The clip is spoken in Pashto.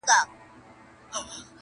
چي له ستوني دي آواز نه وي وتلی!!